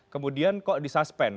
kemudian kok disuspend